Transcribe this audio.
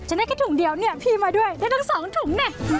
จะได้แค่ถุงเดียวพี่มาด้วยจะได้ทั้ง๒ถุง